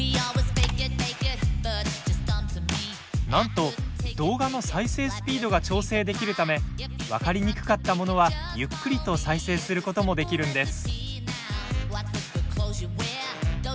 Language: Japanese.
なんと動画の再生スピードが調整できるため分かりにくかったものはゆっくりと再生することもできるんです。